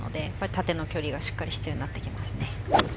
縦の距離が必要になってきますね。